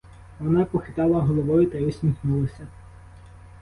Вона похитала головою та й усміхнулася.